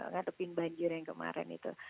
ngadepin banjir yang kemarin itu